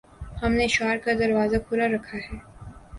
ہم نے اشعار کا دروازہ کھُلا رکھا ہے